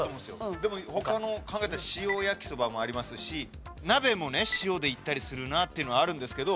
でも他の考えたら塩焼きそばもありますし鍋もね塩でいったりするなっていうのはあるんですけど。